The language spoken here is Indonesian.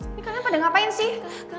tapi kalian pada ngapain sih